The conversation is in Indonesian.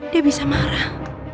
dia bisa marah